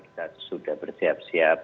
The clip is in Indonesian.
kita sudah bersiap siap